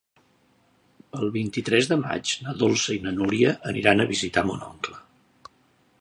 El vint-i-tres de maig na Dolça i na Núria aniran a visitar mon oncle.